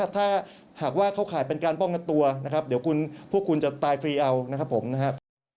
ถ้าหากว่าเขาขายเป็นการป้องกันตัวเดี๋ยวพวกคุณจะตายฟรีเอานะครับ